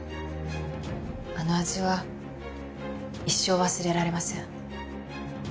あの味は一生忘れられません。